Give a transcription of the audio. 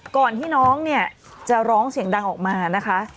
ก่อนที่น้องเนี่ยจะร้องเสียงดังออกมานะคะ